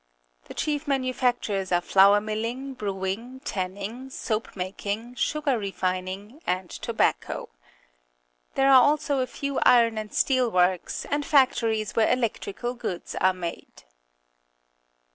The chief manufactures are flour milhng, brewing, tanning, soap making, sugar refin ing, and tobacco. There are also a few iron and steel works, and factories where electrical goods are made.